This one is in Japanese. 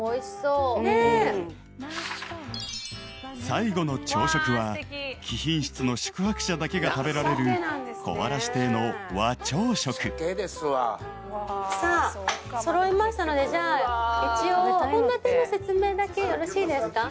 ［最後の朝食は貴賓室の宿泊者だけが食べられる小嵐亭の和朝食］さあ揃いましたのでじゃあ一応献立の説明だけよろしいですか？